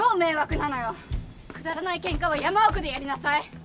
くだらないケンカは山奥でやりなさい！